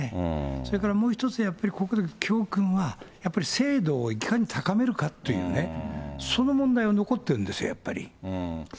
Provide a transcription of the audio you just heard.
それからもう１つ、やっぱりこれの教訓は、精度をいかに高めるかというね、その問題が残ってるんですよ、やっぱり。